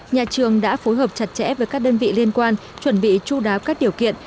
nhà trường đã phối hợp chặt chẽ với các đơn vị liên quan chuẩn bị chú đáo các điều kiện